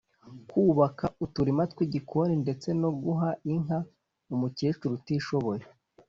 kubaka uturima tw’igikoni ndetse no guha inka umukecuru utishoboye